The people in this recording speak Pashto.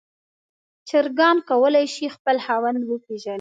چرګان کولی شي خپل خاوند وپیژني.